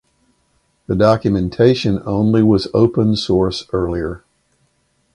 The documentation only was open source earlier.